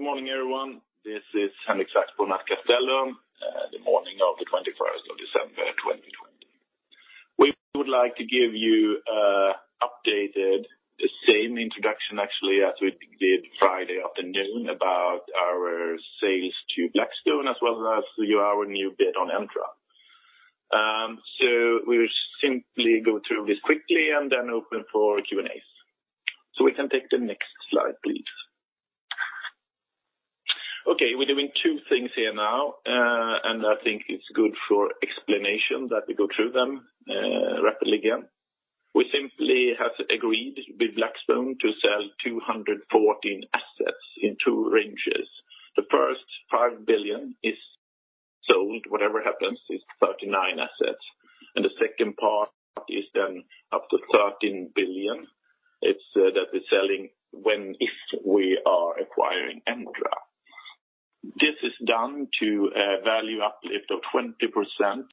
Good morning, everyone. This is Henrik Saxborn at Castellum, the morning of the 21st of December 2020. We would like to give you an updated, the same introduction actually as we did Friday afternoon about our sales to Blackstone, as well as give you our new bid on Entra. We'll simply go through this quickly and then open for Q&As. We can take the next slide, please. Okay, we're doing two things here now, and I think it's good for explanation that we go through them rapidly again. We simply have agreed with Blackstone to sell 214 assets in two ranges. The first 5 billion is sold. Whatever happens, it's 39 assets. The second part is then up to 13 billion. It's that we're selling when if we are acquiring Entra. This is done to a value uplift of 20%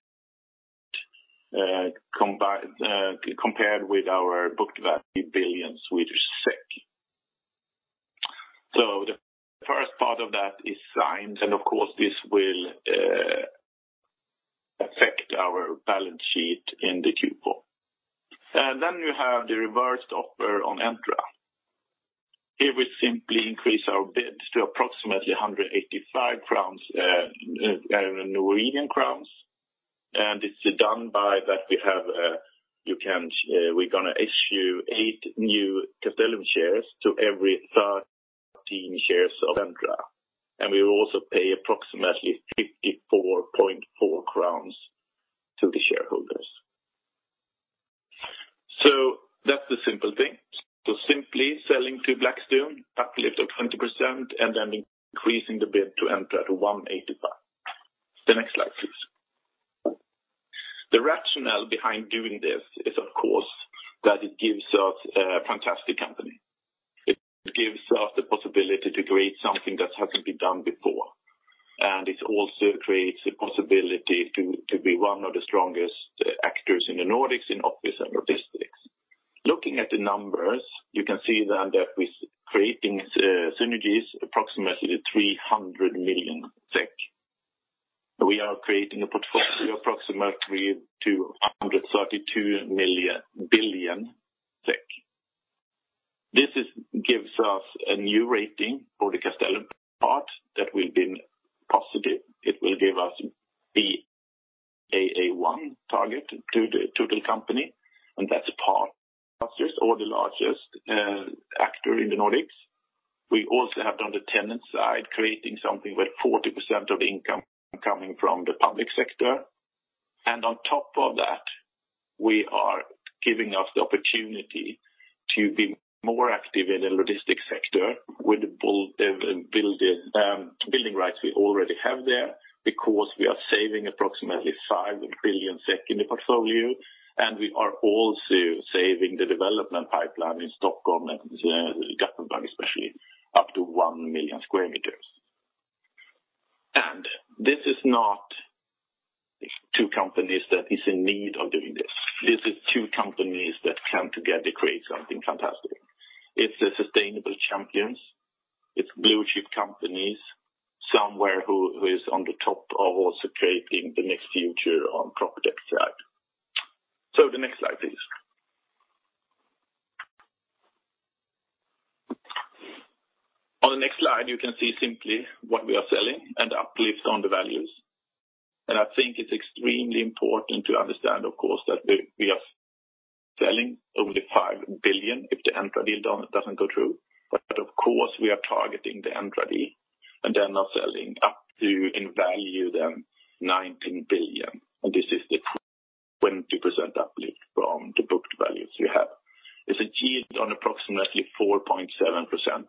compared with our book value, 80 billion Swedish SEK. The first part of that is signed, and of course, this will affect our balance sheet in the Q4. You have the revised offer on Entra. Here we simply increase our bid to approximately 185 crowns. It's done by that we're going to issue eight new Castellum shares to every 13 shares of Entra. We will also pay approximately 54.4 crowns to the shareholders. That's the simple thing. Simply selling to Blackstone, uplift of 20%, and then increasing the bid to Entra to 185. The next slide, please. The rationale behind doing this is, of course, that it gives us a fantastic company. It gives us the possibility to create something that hasn't been done before. It also creates a possibility to be one of the strongest actors in the Nordics in office and logistics. Looking at the numbers, you can see then that we're creating synergies approximately 300 million SEK. We are creating a portfolio approximately to 132 billion SEK. This gives us a new rating for the Castellum part that will be positive. It will give us the AA target to the total company, the first or largest actor in the Nordics. We also have on the tenant side, creating something where 40% of income coming from the public sector. On top of that, we are giving us the opportunity to be more active in the logistics sector with the building rights we already have there because we are saving approximately 5 billion SEK in the portfolio, and we are also saving the development pipeline in Stockholm and Gothenburg, especially up to 1 million square meters. This is not two companies that is in need of doing this. This is two companies that come together to create something fantastic. It's the sustainability champions, it's blue-chip companies, somewhere who is on the top of also creating the next future on PropTech side. The next slide, please. On the next slide, you can see simply what we are selling and uplift on the values. I think it's extremely important to understand, of course, that we are selling only 5 billion if the Entra deal doesn't go through. Of course, we are targeting the Entra deal, and they are now selling up to in value then 19 billion. This is the 20% uplift from the booked values we have. It is achieved on approximately 4.7%.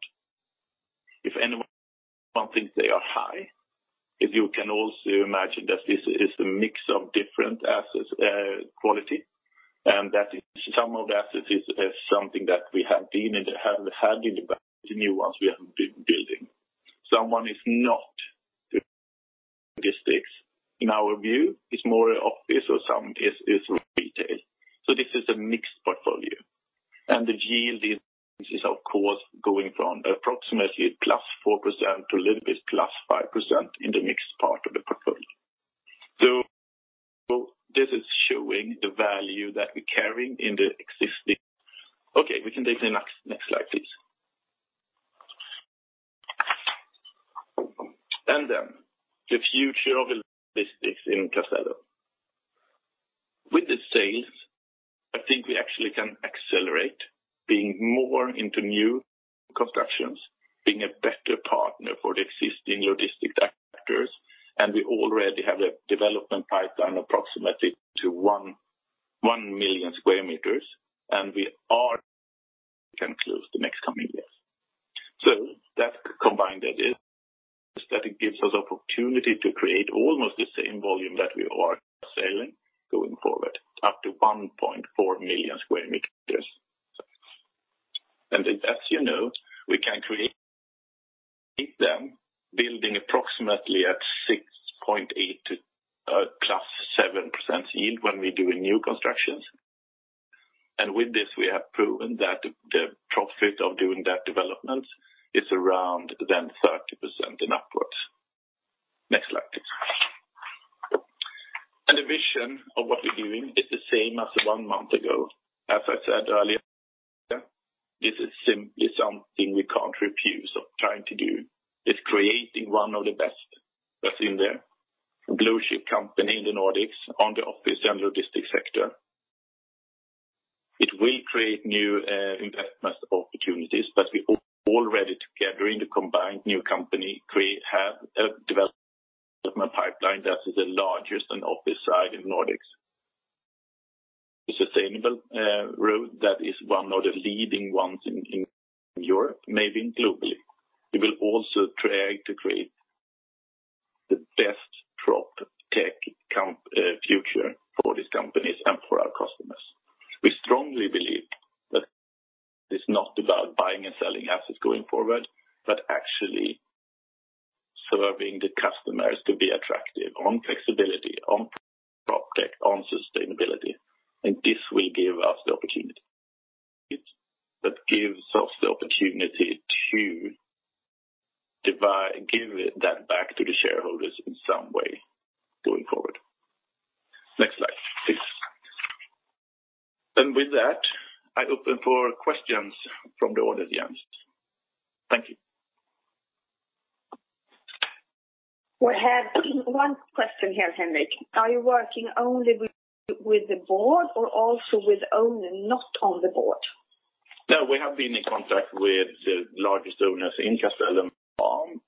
If anyone thinks they are high, if you can also imagine that this is a mix of different asset quality, and that some of the assets is something that we have had in the back, the new ones we have been building. Someone is not logistics. In our view, it is more office or some is retail. This is a mixed portfolio. The yield is, of course, going from approximately +4% to a little bit +5% in the mixed part of the portfolio. This is showing the value that we are carrying in the existing. Okay, we can take the next slide, please. The future of logistics in Castellum. With the sales, I think we actually can accelerate being more into new constructions, being a better partner for the existing logistic actors. We already have a development pipeline approximately to 1 million square meters, and we are going to close the next coming years. That combined it is that it gives us opportunity to create almost the same volume that we are selling going forward, up to 1.4 million square meters. As you know, we can create them building approximately at 6.8% plus 7% yield when we're doing new constructions. With this, we have proven that the profit of doing that development is around then 30% and upwards. Next slide, please. The vision of what we're doing is the same as one month ago. As I said earlier, this is simply something we can't refuse of trying to do. It's creating one of the best that's in there. Blue-chip company in the Nordics on the office and logistics sector. It will create new investment opportunities. We already together in the combined new company have developed a development pipeline that is the largest on office side in Nordics. The sustainable road that is one of the leading ones in Europe, maybe globally. We will also try to create the best PropTech future for these companies and for our customers. We strongly believe that it's not about buying and selling assets going forward, but actually serving the customers to be attractive on flexibility, on PropTech, on sustainability. This will give us the opportunity. That gives us the opportunity to give that back to the shareholders in some way going forward. Next slide, please. With that, I open for questions from the audience. Thank you. We have one question here, Henrik. Are you working only with the board or also with owner not on the board? No, we have been in contact with the largest owners in Castellum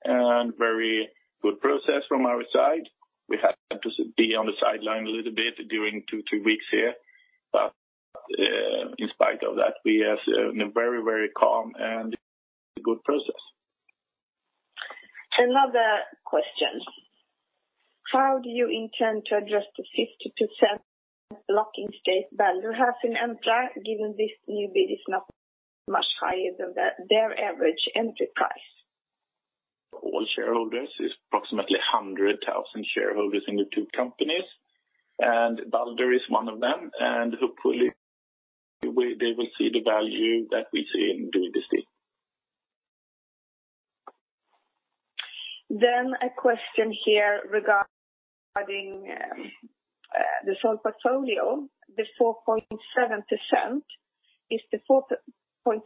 and very good process from our side. We had to be on the sideline a little bit during two, three weeks here. In spite of that, we have a very calm and good process. Another question. How do you intend to address the 50% blocking stake Balder has in Entra, given this new bid is not much higher than their average entry price? All shareholders is approximately 100,000 shareholders in the two companies, and Balder is one of them, and hopefully they will see the value that we see in doing this deal. A question here regarding the sold portfolio, the 4.7%. Is the 4.7%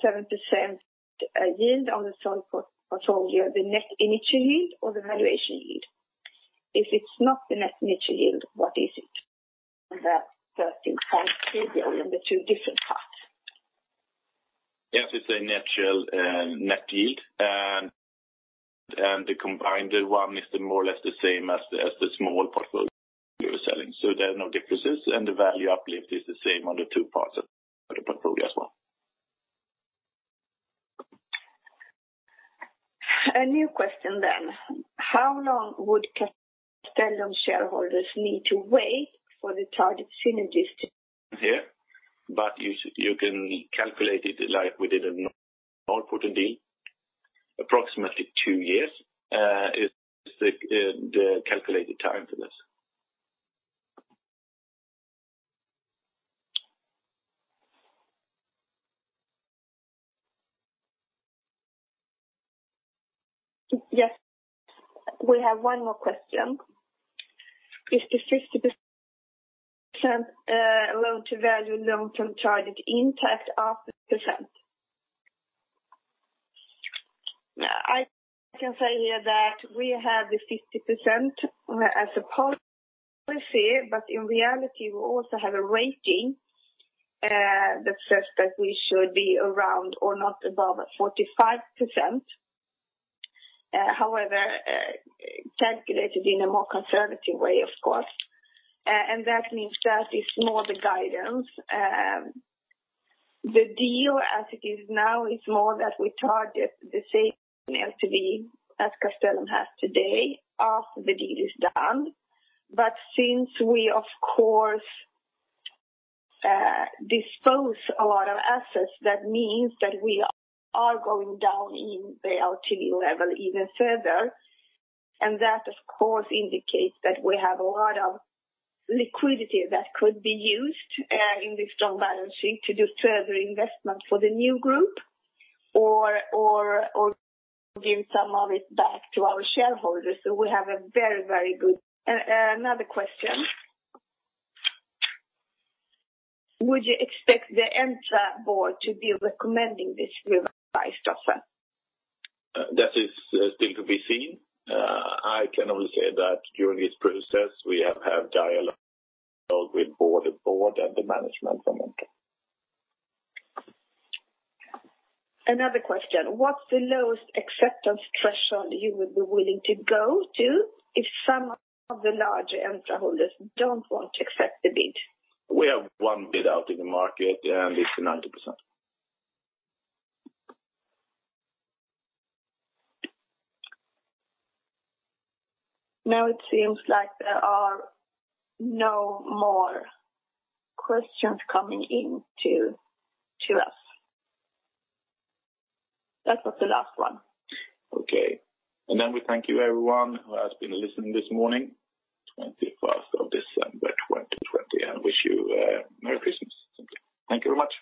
yield on the sold portfolio, the net initial yield or the valuation yield? If it's not the net initial yield, what is it? That 13.3 billion, the two different parts. Yes, it's a net yield, and the combined one is more or less the same as the small portfolio we're selling. There are no differences, and the value uplift is the same on the two parts of the portfolio as well. A new question. How long would Castellum shareholders need to wait for the target synergies? Here, but you can calculate it like we did an Norrporten deal. Approximately two years is the calculated time for this. Yes. We have one more question. Is the 50% loan-to-value long-term target intact after the sale? I can say here that we have the 50% as a policy, but in reality, we also have a rating that says that we should be around or not above 45%, calculated in a more conservative way, of course. That means that is more the guidance. The deal as it is now is more that we target the same LTV as Castellum has today after the deal is done. Since we, of course, dispose a lot of assets, that means that we are going down in the LTV level even further. That, of course, indicates that we have a lot of liquidity that could be used in the strong balance sheet to do further investment for the new group or give some of it back to our shareholders. Another question. Would you expect the Entra board to be recommending this revised offer? That is still to be seen. I can only say that during this process, we have had dialogue with the board and the management from Entra. Another question. What's the lowest acceptance threshold you would be willing to go to if some of the larger Entra holders don't want to accept the bid? We have one bid out in the market, and it's 90%. It seems like there are no more questions coming in to us. That was the last one. Okay. We thank you, everyone, who has been listening this morning, 21st of December 2020, and wish you a Merry Christmas. Thank you very much.